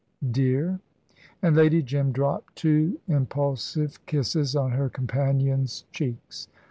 Dear!" and Lady Jim dropped two impulsive kisses on her companion's cheeks.